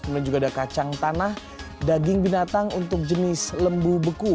kemudian juga ada kacang tanah daging binatang untuk jenis lembu beku